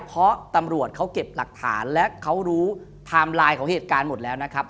เพราะตำรวจเขาเก็บหลักฐานและเขารู้ไทม์ไลน์ของเหตุการณ์หมดแล้วนะครับ